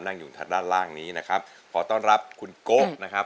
นั่งอยู่ทางด้านล่างนี้นะครับขอต้อนรับคุณโกะนะครับ